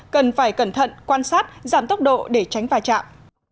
cần phải cẩn thận quan sát giảm tốc độ để tránh va chạm